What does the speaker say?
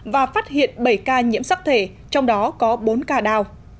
và phát hiện bảy ca nhiễm sắc thể trong đó có bốn ca đào